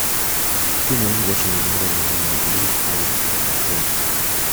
Two men watching another man in a blue hard hat working.